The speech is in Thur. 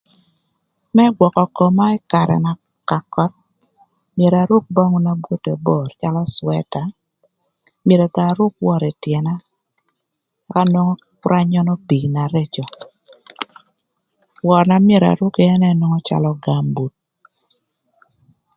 Më gwökö koma ï karë ka köth myero aruk böngü na bwote bor calö cwëta myero thon aruk wör ï tyëna kür anwongo kür anyönö pii na rëcö. Wör na myero aruki ënë nwongo gambut.